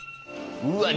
うわ！